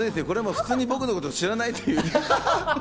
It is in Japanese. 普通に僕のことを知らないという。